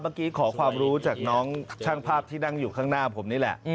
เมื่อกี้ขอความรู้จากน้องช่างภาพที่นั่งอยู่ข้างหน้าผมนี่แหละ